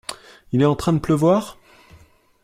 Il est en train de pleuvoir ?